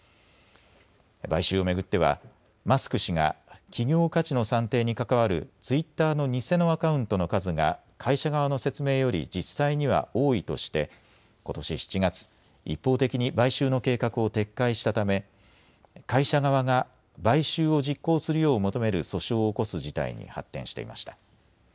買収を巡ってはマスク氏が企業価値の算定に関わるツイッターの偽のアカウントの数が会社側の説明より実際には多いとしてことし７月、一方的に買収の計画を撤回したため会社側が買収を実行するよう求める訴訟を起こす事態に発展していました。